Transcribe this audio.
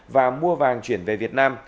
và mua vàng từ campuchia